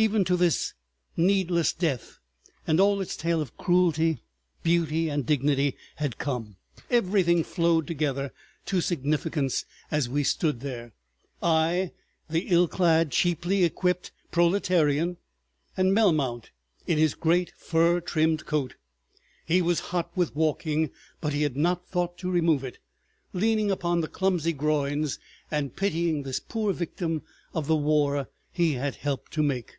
Even to this needless death and all its tale of cruelty, beauty and dignity had come. Everything flowed together to significance as we stood there, I, the ill clad, cheaply equipped proletarian, and Melmount in his great fur trimmed coat—he was hot with walking but he had not thought to remove it—leaning upon the clumsy groins and pitying this poor victim of the war he had helped to make.